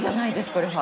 これは。